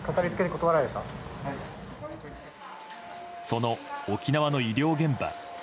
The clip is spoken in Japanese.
その沖縄の医療現場。